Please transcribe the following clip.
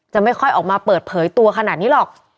ไม่ค่อยออกมาเปิดเผยตัวขนาดนี้หรอก